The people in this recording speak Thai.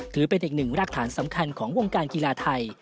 ถือเป็นอีกหนึ่งรากฐานสำคัญของวงการกีฬาไทย